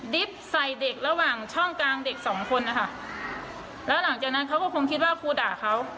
ใส่เด็กระหว่างช่องกลางเด็กสองคนนะคะแล้วหลังจากนั้นเขาก็คงคิดว่าครูด่าเขา